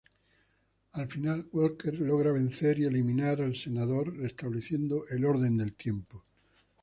Al final, Walker logra vencer y eliminar al senador restableciendo el orden del tiempo.